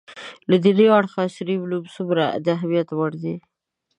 له دیني اړخه عصري علوم څومره د اهمیت وړ دي